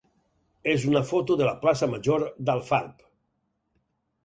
és una foto de la plaça major d'Alfarb.